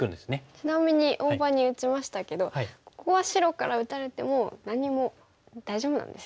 ちなみに大場に打ちましたけどここは白から打たれても何も大丈夫なんですよね？